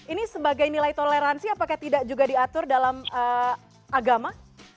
ini sebagai nilai toleransi apakah tidak juga diatur dalam agama